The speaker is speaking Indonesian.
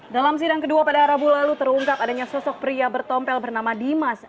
dalam sidang kedua pada rabu lalu terungkap adanya sosok pria bertompel bernama dimas